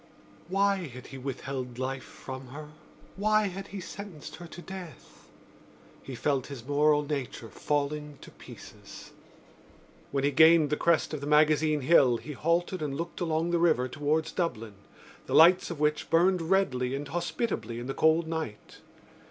Why had he withheld life from her? Why had he sentenced her to death? He felt his moral nature falling to pieces. When he gained the crest of the Magazine Hill he halted and looked along the river towards Dublin, the lights of which burned redly and hospitably in the cold night.